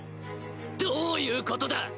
どういうことだ！